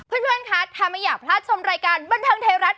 เพื่อนคะถ้าไม่อยากพลาดชมรายการบันเทิงไทยรัฐ